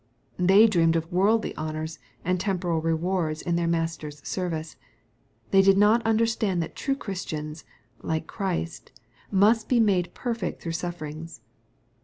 They dreamed of worldly honors and temporal rewards in their Master's service. They did not under stand that true Christians, like Christ, must be made perfect through sufferings.